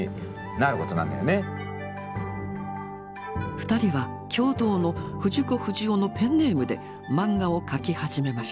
２人は共同の「藤子不二雄」のペンネームで漫画を描き始めました。